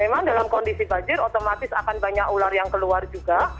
memang dalam kondisi banjir otomatis akan banyak ular yang keluar juga